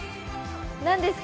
何ですか？